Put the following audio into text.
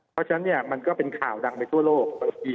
เพราะฉะนั้นมันก็เป็นข่าวดังไปทั่วโลก